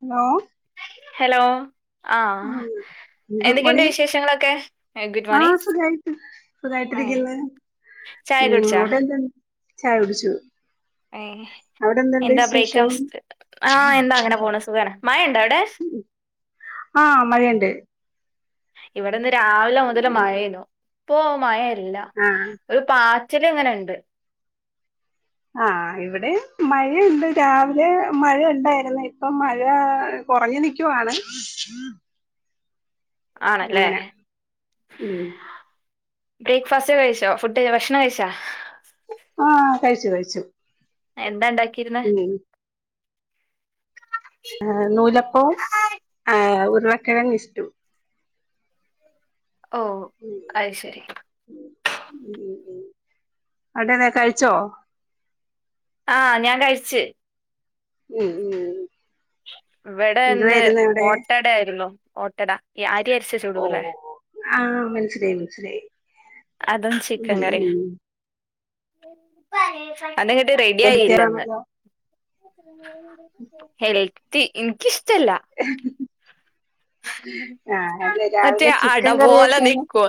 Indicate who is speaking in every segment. Speaker 1: Hello
Speaker 2: hello ആഹ് എന്തൊക്കെയുണ്ട്
Speaker 1: good morning
Speaker 2: വിശേഷങ്ങളൊക്കെ ഗുഡ്
Speaker 1: ആഹ്
Speaker 2: മോർണിംഗ്
Speaker 1: സുഖായിട്ട്
Speaker 2: ഏഹ്
Speaker 1: സുഖായിട്ടിരിക്കുന്ന്
Speaker 2: ചായ
Speaker 1: ഉം
Speaker 2: കുടിച്ചാ
Speaker 1: അവിടെ എന്താ ചായ കുടിച്ചു അവിടെ എന്തുണ്ട്
Speaker 2: എന്താ
Speaker 1: വിശേഷം
Speaker 2: ബ്രേക്കാഫ്റ്റ് ആഹ് എന്താ അങ്ങനെ പോണ് സുഖാണ് മഴണ്ട അവിടെ
Speaker 1: ആഹ് മഴണ്ട്
Speaker 2: ഇവ്ടെന്ന് രാവിലെ മുതൽ മഴേന്നു ഇപ്പൊ മഴല്ല
Speaker 1: ആഹ്
Speaker 2: ഒരു പാ റ്റല് ഇങ്ങനെണ്ട്
Speaker 1: ആഹ് ഇവിടേം മഴയുണ്ട് രാവിലെ മഴ ഉണ്ടായിരുന്നു ഇപ്പൊ മഴാ കൊറഞ്ഞു നിക്കുവാണ്
Speaker 2: ആണല്ലേ
Speaker 1: അങ്ങനെ ഉം
Speaker 2: ബ്രേക്ക്ഫാസ്റ്റ് കഴിച്ചോ ഫുഡ് ഭക്ഷണം കഴിച്ചാ
Speaker 1: ആഹ് കഴിച്ചു കഴിച്ചു
Speaker 2: എന്താണ്ടാക്കി
Speaker 1: ഉം ഹേ നൂലപ്പവും ഏ ഉരളക്കിഴങ്ങ്ഇഷ്ടു
Speaker 2: ഓഹ്
Speaker 1: ഉം
Speaker 2: അയ്ശരി
Speaker 1: ഉം ഉം അതേതെ കയ്‌ച്ചോ
Speaker 2: ആഹ് ഞാൻ കഴിച്ച്
Speaker 1: ഉം ഉം
Speaker 2: വെടെ ഇന്ന്
Speaker 1: എന്തുവായിരുന്നു അവിടെ
Speaker 2: ഓട്ടടേയ്‌രുന്നു ഓട്ടട ഈ അരി അര്ച്ച്
Speaker 1: ഓ
Speaker 2: ചുടൂലേ
Speaker 1: ആഹ് മൻസ്സിലായി മൻസ്സിലായി
Speaker 2: അതും ചിക്കൻ കറിം അന്റെങ്ങട്ട് റെഡി ആയില്ലന്ന്
Speaker 1: ദ്ദേഹത്തെയാണല്ലോ
Speaker 2: ഹെൽത്തി എൻക്കിഷ് ടല്ല
Speaker 1: ആഹ് അല്ല
Speaker 2: മറ്റേ
Speaker 1: രാവിലെ ചിക്കൻ കറി
Speaker 2: അഡപോലെ
Speaker 1: വെക്കാന്
Speaker 2: നിക്കു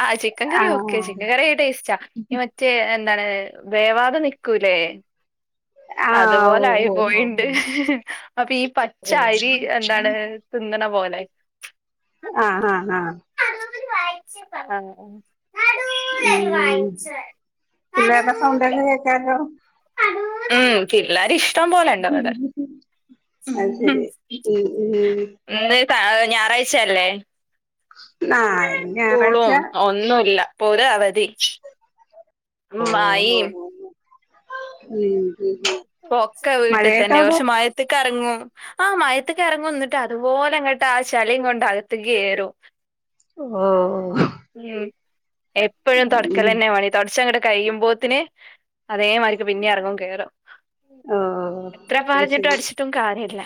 Speaker 2: ആ ചിക്കൻ കറി ഓക്കെ
Speaker 1: ആഹ്
Speaker 2: ചിക്കൻ കറി ടേസ്റ്റാ ഇന് മറ്റേ ന്താണ് വേവാത നിക്കൂല്ലേ
Speaker 1: [inaudible]
Speaker 2: അതുപോലെ ആയി
Speaker 1: ആഹ് ഓ ഓ
Speaker 2: പോയീണ്ട്
Speaker 1: ഓ
Speaker 2: അപ്പ ഈ പച്ച
Speaker 1: ഓ ഓ
Speaker 2: അരി എന്താണ് തി ന്ന്ണെ പോലെ
Speaker 1: ആ ആ ആ
Speaker 2: [unintelligible] നടൂലൊരു
Speaker 1: ഉം
Speaker 2: വായിച്ചു
Speaker 1: പിള്ളേര്ടെ സൗണ്ട്
Speaker 2: നടൂല്
Speaker 1: ക്കെ കേക്കാലോ
Speaker 2: നടൂല് ഉം പിള്ളേര് ഇഷ്ടം പോലെണ്ടിവടെ
Speaker 1: അത്
Speaker 2: ഉം
Speaker 1: ശരി ഉം ഉം
Speaker 2: ഇന്ന് ത്ത ഞായറാഴ്ചയല്ലേ
Speaker 1: ആഹ് ഇന്ന് ഞായറാഴ്ച
Speaker 2: ക്കൂളും ഒന്നുല്ല പോര അവധി
Speaker 1: ഓ
Speaker 2: മഴയും
Speaker 1: ഉം ഉം ഉം.
Speaker 2: പൊക്കെ
Speaker 1: മഴയൊക്കെ
Speaker 2: വീട്ടിതന്നെ
Speaker 1: അവിടെ
Speaker 2: പഷേ മയത്ത്ക്ക് യർങ്ങും ആ മയത്തക്കെർങ്ങും ഇന്നിട്ട് അതുപോലെ ഇങ്ങട്ട് ആ ചളീം കൊണ്ട് അകത്ത്ക്ക് കേറും
Speaker 1: ഓ
Speaker 2: ഉം എപ്പഴും
Speaker 1: ഉം
Speaker 2: തൊട്ക്കലെന്നെ പണി തൊടച്ചങ്ങട് കഴിയുമ്പോത്തിന് അതേമാരിക്ക് പിന്നെ എർങ്ങും കേറും
Speaker 1: ഓ
Speaker 2: എത്ര പർഞ്ഞിട്ടും അട്ച്ചിട്ടും കാര്യല്ല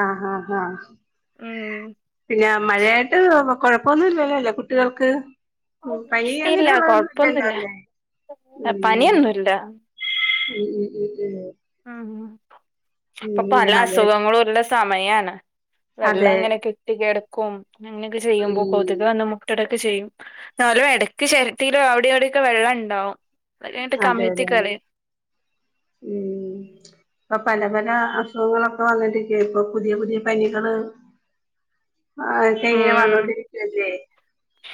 Speaker 1: ആ ആ ആ
Speaker 2: ഉം
Speaker 1: പിന്നെ മഴയായിട്ട് കൊഴപ്പൊന്നുല്ലല്ലോല്ലേ കുട്ടികൾക്ക് ഉം പനി
Speaker 2: ഇല്ല
Speaker 1: അങ്ങനൊയുള്ളതൊന്നും ഇല്ലല്ലോ
Speaker 2: കൊഴപ്പൊന്നുല്ല
Speaker 1: അല്ലേ ഉം
Speaker 2: പനിയൊന്നുല്ല
Speaker 1: ഉം ഉം ഉ
Speaker 2: പ്പ
Speaker 1: ഈ
Speaker 2: പ്പല
Speaker 1: മഴ
Speaker 2: അസുഖങ്ങളൂല്ല സ് മയാണ് വെള്ളം
Speaker 1: അതെ
Speaker 2: ഇങ്ങനെ കെട്ടി കെടക്കും അങ്ങനൊക്കെ ചെയ്യുമ്പോ
Speaker 1: ഉം
Speaker 2: കൊതുക് മുട്ടട കെ ചെയ്യും ന്നാലും എടക്ക് ചെരട്ടീലും അവിടിവാട്യൊക്കെ വെള്ളണ്ടാവും
Speaker 1: അതെ അതെ അതെ ഉം ഇപ്പ പല പല അസുഖങ്ങളൊക്കെ വന്നിട്ടിരിക്ക ഇപ്പൊ പുതിയ പുതിയ പനികള് ആഹ് ക്കെങ്ങനെ
Speaker 2: ഉം
Speaker 1: വന്നോണ്ട് ഇരിക്കല്ലേ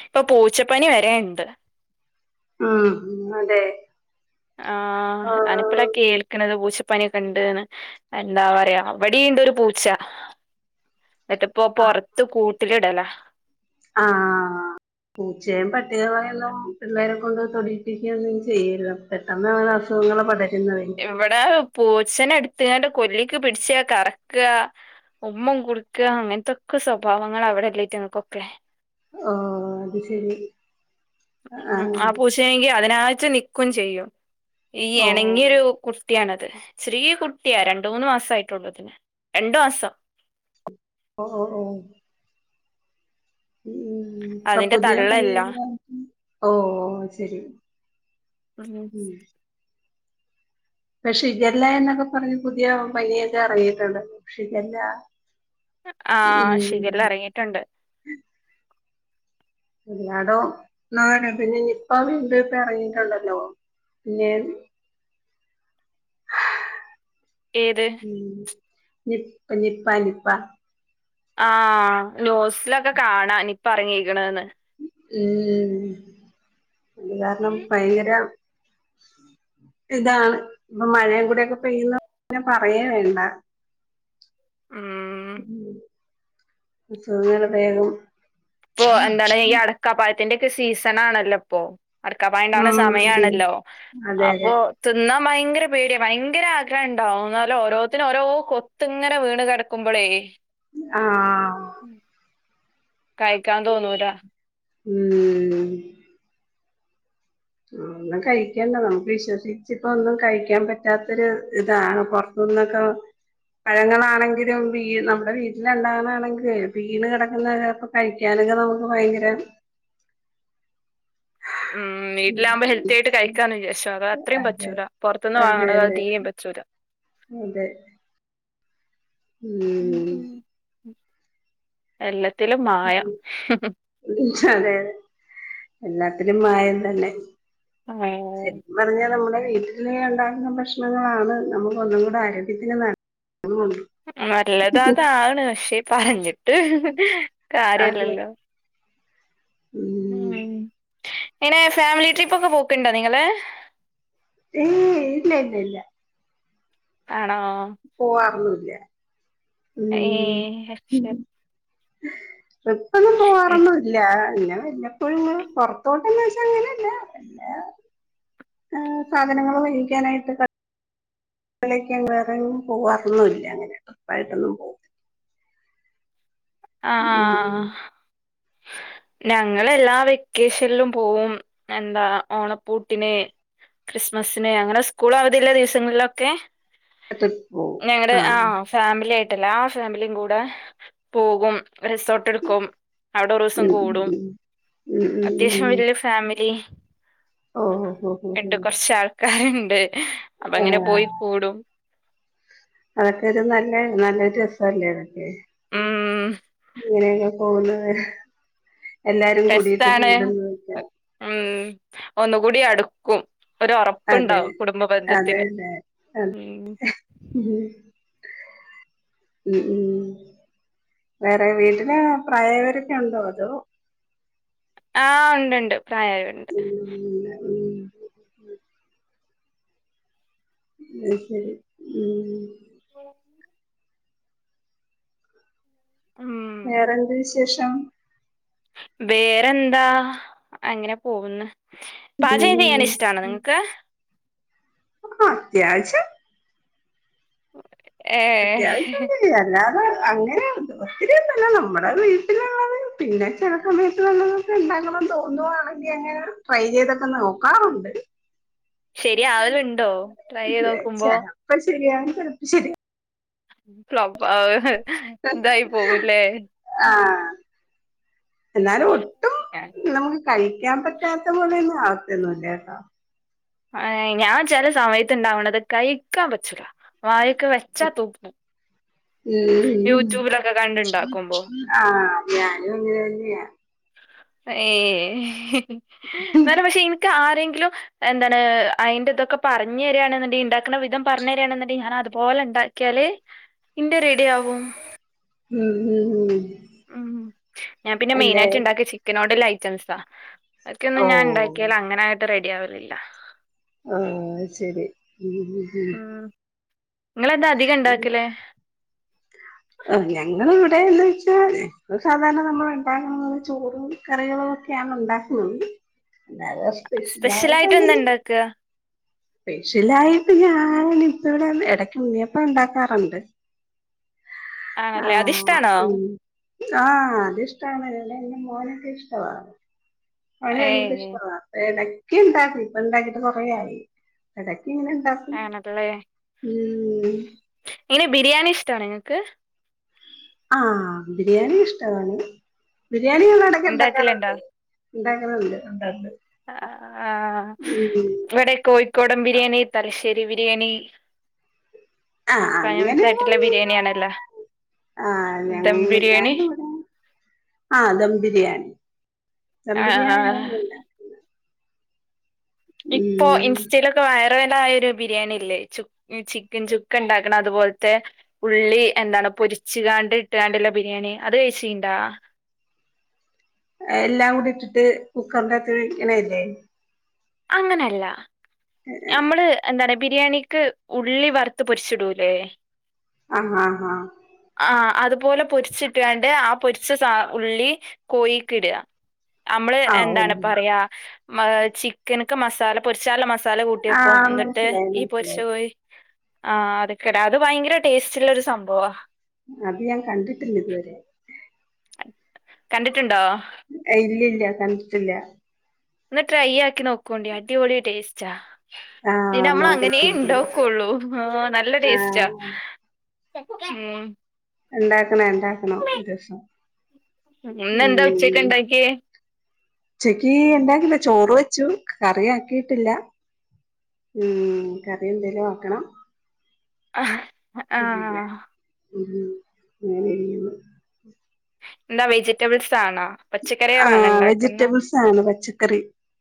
Speaker 2: ഇപ്പൊ പൂച്ചപ്പനി വരേണ്ട്
Speaker 1: ഉം അതേ
Speaker 2: ആഹ് അനപ്പ്ലാ കേൾക്ക്ണത് പൂച്ച പനിയൊക്കെണ്ടീന്ന്. എന്താ പറയാ ഇവ്ടേണ്ടൊരു പൂച്ച ന്ന്ട്ട്പ്പ
Speaker 1: ആഹ്
Speaker 2: പൊറത്ത് കൂട്ടില് ഇടല
Speaker 1: ആഹ് പൂച്ചേം പട്ടികളെയൊന്നും പിള്ളേരെ കൊണ്ട് തൊടീപ്പിക്കൊന്നും ചെയ്യില്ല. പെട്ടെന്നാണ് അസുഖങ്ങള് പടര്
Speaker 2: ഇവിടേ പൂച്ചനെ ഐടിത്താണ്ട് കൊല്ലിക്ക് പിടിച്ച കറക്ക ഉമ്മം കൊട്ക്ക അങ്ങനൻത്തൊക്കെ സ്വഭാവങ്ങള ഇവിടല്ലെയ്റ്റങ്ങകൊക്കെ
Speaker 1: ഓഹ് അത് ശരി
Speaker 2: ഉം ആ പൂച്ചേണെങ്കി അതിനായിട്ട് നിക്കും ചെയ്യും ഈ
Speaker 1: ഓ
Speaker 2: എണങ്ങ്യൊരു കു ട്ട്യാണത് ചെറീ കുട്ട്യാ രണ്ട് മൂന്ന് മാസ്സായിട്ടൊള്ളു അതിന് രണ്ട് മാസം
Speaker 1: ഒ ഒ ഓഹ് ഉം പ്പ
Speaker 2: അതിന്റെ
Speaker 1: പുതിയ
Speaker 2: തള്ളല്ല
Speaker 1: പനിയല്ല ഓഹ് അത് ശരി
Speaker 2: ഉം
Speaker 1: പക്ഷെ ശിഗല്ലേന്നൊക്കെ പർഞ്ഞ് പുത്യാ പൻയൊക്കെ എറങ്ങീട്ടൊണ്ട് ശിഗല്ല
Speaker 2: ആഹ് ശിഖല്ല എറങ്ങീട്ടുണ്ട്
Speaker 1: എല്ലാടോം [unintelligible] ന്നാ പിന്നെ നിപ്പ വീണ്ടുപ്പ എറങ്ങീട്ടുണ്ടല്ലൊ പിന്നേ [inaudible]
Speaker 2: ഏത്
Speaker 1: ഉം നിപ്പ നിപ്പ നിപ്പ
Speaker 2: ആഹ് ന്യൂസി ലൊക്കെ കാണാംനിപ്പ എറങ്ങീക്ക്ണ്ന്ന്
Speaker 1: ഉം ഇത് കാരണം ഭയങ്കര- ഇതാണ് ഇപ്പോ മഴെകൂടെക്കെ പെയ്യുന്നൊണ്ട് പറയേ വേണ്ട
Speaker 2: ഉം
Speaker 1: സുഖ [unintelligible] വേഗം
Speaker 2: ഇപ്പൊ എന്താണ് ഈ അടക്കാപ്പഴത്തിന്റക്കെ സീസണാണല്ലൊ ഇപ്പൊ അടക്കപ്പഴം ഇണ്ടവണ
Speaker 1: ഉം
Speaker 2: സമയാണല്ലൊ
Speaker 1: അതെ അതെ
Speaker 2: അപ്പൊ തിന്ന- ഭയങ്കര പേടിയ ഭയങ്കര ആഗ്രഹണ്ടാവും എന്നാലും ഓരോത്തിന് ഓരോ കൊത്ത് ഇങ്ങനെ വീണ് കെടക്കുമ്പളേയ്
Speaker 1: ആഹ്
Speaker 2: കഴിക്കാൻ തോന്നൂല
Speaker 1: ഉം ഒന്നും കഴിക്കണ്ട നമുക്ക് വിശ്വസിച്ച് ഇപ്പൊ ഒന്നും കഴിക്കാൻ പറ്റാത്തൊരു ഇതാണ് പൊറ- ഒന്നൊക്കവ [unintelligible] പഴങ്ങളാണെങ്കിലും വീണ് നമ്മ്ടെ വീട്ടില് ഇണ്ടാകാണാതാണെങ്കിലുവെ വീണ് കെടക്ക്ന്നതായിപ്പം കഴിക്കാന്- ഇത് നമുക്ക് ഭയങ്കര-
Speaker 2: ഉം വീട്ടിലാവുമ്പ ഹെൽത്തി ആയിട്ട് കഴിക്കാന്ന് വിചാരിച്ചു അത് അത്രെ
Speaker 1: അതെ
Speaker 2: പറ്റൂല പൊറത്ത്ന്ന്
Speaker 1: അതെ
Speaker 2: വാങ്ങ്ണത് അത്
Speaker 1: അതെ
Speaker 2: തീരെയും പറ്റൂല
Speaker 1: അതെ ഉം
Speaker 2: എല്ലാത്തിലും മായം
Speaker 1: അതെ അതെ എല്ലാത്തിലും മായം തന്നെ ശരികും പറഞ്ഞാ നമ്മള് വീട്ടില് ഇണ്ടാക്ക്ന്ന ഭക്ഷ്ണങ്ങളാണ് നമുക്ക് ഒന്നും കൂടെ ആരോഗ്യത്തിന് നല്ല -
Speaker 2: നല്ലത് അതാണ് പക്ഷെ പറഞ്ഞിട്ട്
Speaker 1: അതെ
Speaker 2: കാര്യല്ലല്ലൊ ഉം എങ്ങനെ ഫാമിലി ട്രിപ്പൊക്കെ പോക്ക്ണ്ടൊ നിങ്ങള്
Speaker 1: ഏയ് ഇല്ല ഇല്ല ഇല്ല
Speaker 2: ആണോ
Speaker 1: പോവാറൊന്നുല്ല ഉം
Speaker 2: ഏഹ് [unintelligible]
Speaker 1: ട്രിപ്പൊന്നും പോവാറൊന്നുല്ല പിന്നെ വല്ലപ്പോഴുംങ്ങ് പൊർത്തോട്ടന്ന് വെച്ചാ അങ്ങനല്ല എല്ലാ ഏ സാധനങ്ങല് വാങ്ങിക്കാനായിട്ട് പ അലേക്കാൻ വേറെങ്ങും പോവാറൊന്നുംല്ല അങ്ങനെ ഉറപ്പായിട്ടൊന്നും പോകും
Speaker 2: ആ ആഹ് ല്ല ഞങ്ങള് എല്ലാ വെക്കേഷൻലും പോവും എന്താ ഓണപ്പൂട്ടിന് ക്രിസ്മസിന് അങ്ങനെ സ്കൂൾ അവധില്ല ദിവസങ്ങളിലൊക്കെ
Speaker 1: ട്രിപ്പ് പോവും
Speaker 2: ഞങ്ങട് ആഹ് ഫാമിലി ആയി ട്ട് എല്ലാ ഫാമിലിയും കൂടെ പോകും റിസോർട്ട് എടുക്കും അവിടെ ഒരു ദിവസം
Speaker 1: ഉം ഉം
Speaker 2: കൂടും
Speaker 1: ഉം ഉം ഉം
Speaker 2: അത്യാവശ്യം
Speaker 1: ഉം
Speaker 2: വല്ല്യ ഫാമിലി
Speaker 1: ഓ ഓ ഓ
Speaker 2: ഇണ്ട്
Speaker 1: ഓ
Speaker 2: കൊർച്ച് ആൾക്കാര്ണ്ട് അപ്പ
Speaker 1: ഓ
Speaker 2: അങ്ങനെ
Speaker 1: ആഹ്
Speaker 2: പോയി കൂടും
Speaker 1: അതൊക്കെ ഒരു നല്ല നല്ലൊരു രസല്ലേ അതൊക്കെ
Speaker 2: ഉം
Speaker 1: അങ്ങനെ [unintelligible] പോകുന്നത് വരാ
Speaker 2: ടെസ്റ്റാണ് ഉം ഒന്നുകൂടി അടുക്കും ഒര്
Speaker 1: അതെ
Speaker 2: ഒറപ്പ്ണ്ടാവും കുടുംബ
Speaker 1: അതെ
Speaker 2: ബന്ധത്തിന്
Speaker 1: അതെ
Speaker 2: ഉം
Speaker 1: ഉം ഉം ഉം വേറെ വീട്ടില് പ്രായവരക്കെ ഉണ്ടോ അതോ
Speaker 2: ആ ഉണ്ട്ണ്ട് പ്രായമായവര് ഉണ്ട്
Speaker 1: ഉ അയ് ശരി ഉം
Speaker 2: ഉം
Speaker 1: വേറെന്ത് വിശേഷം
Speaker 2: വേറെന്താ അങ്ങനെ പോകന്ന് പാചകം ചെയ്യാൻ
Speaker 1: ഉം
Speaker 2: ഇഷ്ടണോ
Speaker 1: ഉം
Speaker 2: നിങ്ങക്ക്
Speaker 1: ആ അത്യാവശ്യം അത്യാവശ്യം
Speaker 2: ഏഹ്
Speaker 1: ചെയ്യും അല്ലാതെ അങ്ങനെയ ഒത്തിരി ഒന്നല്ല നമ്മുടെ വീട്ടിലുള്ളത് പിന്നെ ചെില സമയത്ത്ള്ളതൊക്കെ ഉണ്ടക്കണം തോന്നുവാണെങ്കിൽ അങ്ങനെ ട്രൈ ചെയ്തൊക്കെ നോക്കാറുണ്ട്
Speaker 2: ശരി ആവലുണ്ടോ ട്രൈ ചെയ് നോക്കുമ്പോ
Speaker 1: ശരി
Speaker 2: പ്പ ഇന്തായി പോവുംല്ലേ
Speaker 1: എല്ലാരും ഒട്ടും
Speaker 2: ഏഹ്
Speaker 1: നമുക്ക് കഴിക്കാൻ പറ്റാത്ത പോലെ തന്നെ ആ ഒന്നുമില്ല കേട്ടോ [unintelligible]
Speaker 2: ഏ ഞാൻ ചില സമയത്ത് ഇണ്ടാവണ്ടത് കഴിക്കാൻ പറ്റൂല വായൊക്കെ വെച്ചാ തുപ്പും
Speaker 1: ഉ
Speaker 2: യൂട്യൂബിലൊക്കെ കണ്ടുണ്ടാക്കുമ്പോ
Speaker 1: ആ ഞാനും അങ്ങനെ തന്നെയ
Speaker 2: ഏ ഇന്നലും പക്ഷെ എനിക്ക് ആരെങ്കിലും എന്താണ് അതിന്റെറ ഇൊക്കെ പറഞ്ഞ് തരികയാണെന്നുണ്ടങ്കിൽ ഉണ്ടാക്കുന്ന വിധം പറഞ്ഞു തരിയാണുങ്ക ഞാൻ അതുപോലെ ഉണ്ടാക്കിയാല് ഇന്റത് റെഡിയാവും
Speaker 1: ഉം ഉ ഉ
Speaker 2: ഉം ഞാൻ പിന്നെ മെയിൻ ആയിട്ട് ഇണ്ടാക്കിയ ചിക്കന നോട് ഇല്ല ഐറ്റംസാ അക്കൊന്നും ഞാൻ
Speaker 1: ഓഹ്
Speaker 2: ഉണ്ടാക്കിയല്ല അങ്ങനെ ആയിട്ട് റെഡി ആവലില്ല
Speaker 1: ആ അയ് ശരി ഉം
Speaker 2: ഉം നിങ്ങെന്താ അധികം ഇണ്ടാക്കലേ
Speaker 1: ഞങ്ങ ഇവിടെന്ന് വെച്ചാൽ സാധാരണ നമ്മൾ ഉണ്ടാക്കു ന്നാ ചോറും കറികളും ക്ക ഉണ്ടാക്ക എ
Speaker 2: സ്പെഷ്യൽ
Speaker 1: സ്പെഷ്യലായിട്ട
Speaker 2: ആയിട്ട് എന്താ ഉണ്ടാക്കുക
Speaker 1: സ്പെഷ്യലായിട്ട് ഞാൻ ഇപ്പ ഇവിടെ ഇടക്ക് ഉണ്ണിയപ്പം ഉണ്ടാക്കാറുണ്ട് ആ
Speaker 2: ആണല്ലേ അതിഷ്ടാണോ
Speaker 1: ഉ ആ അതിഷ്ടാണ് അല്ല മോനക്കെ ഇഷ്ടമാണ് അവന് ഭയങ്കര
Speaker 2: ഏയ്
Speaker 1: ഇഷ്ടമാണ് എടക്ക് ക്ക്‌ ഇണ്ടാക്കി ഇപ്പ ഇണ്ടാക്കിട്ട് കുറയായി എടക്
Speaker 2: ആണല്ലേ
Speaker 1: ഉം
Speaker 2: എങ്ങനാ ബിരിയാണി ഇഷ്ട്ടാണ നിങ്ങക്ക്
Speaker 1: ആ ബിരിയാണി ഇഷ്ടാണ് ബിരിയാണിവ്ടെ എടക്ക് ഇണ്ടാക്കാറുണ്ട്
Speaker 2: ആ
Speaker 1: ഉം
Speaker 2: ഇവിടെ കോഴിക്കോടൻ ബിരിയാണി തലശ്ശേരി ബിരിയാണി
Speaker 1: ആ
Speaker 2: ഫേമസ് ആയിട്ടുള്ള
Speaker 1: അങ്ങനൊന്നും
Speaker 2: ബിരിയാണിയാണല്ലോ
Speaker 1: ആ
Speaker 2: ദം
Speaker 1: ഞങ്ങ
Speaker 2: ബിരിയാണി
Speaker 1: ഞാനിവടെ ആ ദം ബിരിയാണി ദം ബിരിയാണി
Speaker 2: ആഹ്
Speaker 1: [unintelligible]
Speaker 2: ഇപ്പോ
Speaker 1: ഉം
Speaker 2: ഇൻസ്റ്റെലൊക്കെ വയറ റലായ ഒരു ബിരിയാണില്ലേ ചുക് ചിക്കൻ ചുക്ക് ഇണ്ടാക്കണ അതുപോലത്തെ ഉള്ളി എന്താണ് പൊരിച്ചുകാണ്ട് ഇട്ടുകാണ്ട്ള്ള ബിരിയാണി അത് കഴിച്ചീണ്ടാ
Speaker 1: എല്ലാം കൂടി ഇട്ടിട്ട് കുക്കറിന്റെ അകത്ത് വേവിക്കണെയല്ലേ
Speaker 2: അങ്ങനല്ല നമ്മള് എന്താണ് ബിരിയാണി ക്ക് ഉള്ളി വറുത്ത് പൊരിച്ചിടൂല്ലേ
Speaker 1: ആ ഹ ഹ
Speaker 2: പോലെ പൊരിച്ചിട്ട്കാണ്ട് ആ പൊര്ച്ച സാ ഉള്ളി കോഴിക്ക്ടാ അമ്മള്
Speaker 1: ആഹ് ഓ
Speaker 2: എന്താണ് പറയാ മ് ചിക്കന്ക്ക്‌ മസാല പൊരിച്ചാള്ള മസ് സാല കൂട്ടിയേക്കും
Speaker 1: ആഹ്
Speaker 2: ഇന്നിട്ട്
Speaker 1: മനസ്സിലായി
Speaker 2: ഈ പൊരിച്ച
Speaker 1: മനസ്സിലായി
Speaker 2: കോയി ആഹ് അത്ക്ക്‌ടാ അത് ഭയങ്കര ടേസ്റ്റ് ഇള്ള ഒരു സംഭവാ.
Speaker 1: അത് ഞാൻ കണ്ടിട്ടില്ല ഇതുവരെ.
Speaker 2: കണ്ടിട്ട്ണ്ടോ?
Speaker 1: ഞാൻ കണ്ടിട്ടില്ല.
Speaker 2: ഒന്ന് ട്രൈ ആക്കി നോക്കോണ്ടി അടിപൊളി ടേസ്റ്റാ
Speaker 1: ആഹ്
Speaker 2: പിന്നമ്മള്
Speaker 1: നോക്കണം
Speaker 2: അങ്ങനേ
Speaker 1: നോക്കണം
Speaker 2: ഇണ്ടാക്കൊള്ളു ആ നല്ല ടേസ്റ്റാ
Speaker 1: ആഹ്
Speaker 2: ഉം
Speaker 1: ക്കണം ഇണ്ടാക്കണം ഒരൂസം.
Speaker 2: ഇന്നെന്താ ഉച്ചക്ക്
Speaker 1: ഉം
Speaker 2: ഉണ്ടാക്കിയേ
Speaker 1: ഉച്ചക്കി ഇണ്ടാക്കില ചോറ് വെച്ചു കറി ആക്കീട്ടില്ല. ഉം കറി എന്തേലും ആക്കണം. അങ്ങനെ
Speaker 2: ആഹ്
Speaker 1: ഉം [inaudible]
Speaker 2: എന്താ വെജിറ്റബിൾസ് ആണോ പച്ചക്കറികളാണോ
Speaker 1: ആഹ്
Speaker 2: ഉണ്ടാക്കുന്നെ
Speaker 1: വെജിറ്റബിൾസ് ആണ് പച്ചക്കറി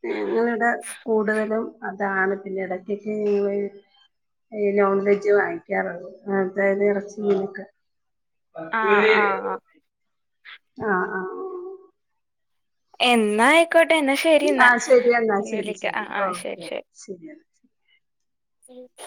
Speaker 1: ഞങ്ങളിവടെ കൂടുതലും അതാണ് പിന്നെ എടക്കെക്കെ ഇങ്ങള് ഈ നോൺ വെജ് വാങ്ങിക്കാറൊള്ളു അങ്ങനത്തേയ്ന് എറച്ചി മീനൊക്കെ
Speaker 2: ആഹ് ആഹ് ആ
Speaker 1: ആഹ് ആ
Speaker 2: എന്നായ്
Speaker 1: ആഹ് ശെരി എന്നാ ശെരി
Speaker 2: വിളിക്കാം
Speaker 1: ശെരി
Speaker 2: ആഹ് ആഹ് ശരി
Speaker 1: ഓക്കെ ശെരി [inaudible]
Speaker 2: ശരി